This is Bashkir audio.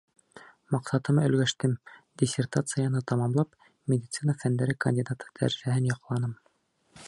Маҡсатыма өлгәштем — диссертацияны тамамлап, медицина фәндәре кандидаты дәрәжәһен яҡланым.